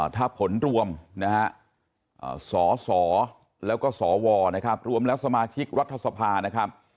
ถ้าผลรวมนะฮะสสแล้วก็สวนะครับรวมแล้วสมาชิกรัฐสภานะครับ